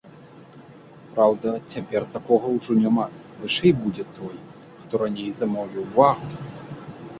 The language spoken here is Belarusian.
Праўда, цяпер такога ўжо няма, вышэй будзе той, хто раней замовіў вагу.